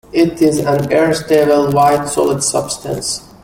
It is an air-stable, white solid substance.